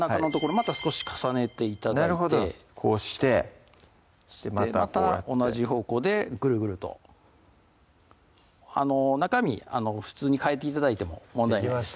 また少し重ねて頂いてこうしてまたこうやってまた同じ方向でグルグルとあの中身普通に変えて頂いても問題ないです